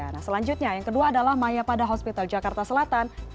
nah selanjutnya yang kedua adalah maya pada hospital jakarta selatan